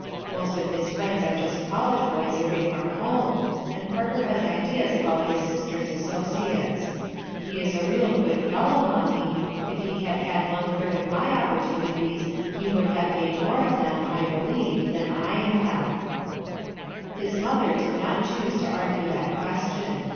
Most of his friends are just college boys away from home 3 and Parker has ideas about his sister's associates He is a real good fellow, Mommie; if he had had one third of my oppor tunities, he would have made more of them, I believe, than T have/' His mother did not choose to argue that question.